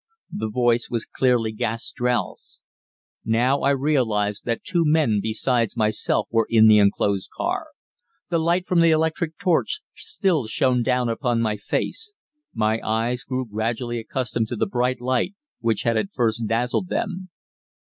The voice was clearly Gastrell's. Now I realized that two men besides myself were in the closed car. The light from the electric torch still shone down upon my face. My eyes grew gradually accustomed to the bright light, which had at first dazzled them.